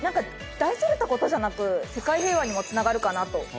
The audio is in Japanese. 大それた事じゃなく世界平和にもつながるかなと。